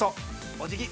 おじぎ。